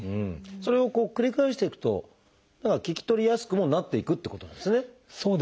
それを繰り返していくと聞き取りやすくもなっていくってことなんですね。